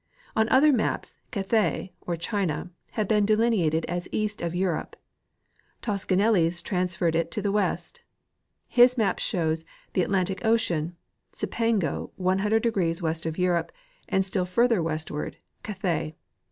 On other maps Cathay, or China, had been delineated as east of Europe ; Toscanelli 's trans ferred it to the west. His map shows the Atlantic ocean, Cipango 100° west of Europe, and still further westward, Cathay.